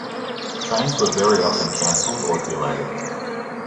Trains were very often cancelled or delayed.